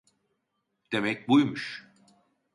Demek buymuş.